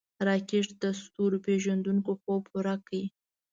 راکټ د ستورپیژندونکو خوب پوره کړ